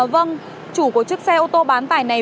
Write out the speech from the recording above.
vâng chủ của chiếc xe ô tô bán tải này